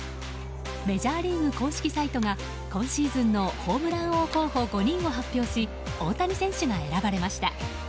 メジャーリーグ公式サイトが今シーズンのホームラン王候補５人を発表し大谷選手が選ばれました。